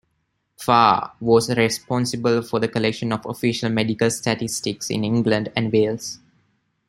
Farr was responsible for the collection of official medical statistics in England and Wales.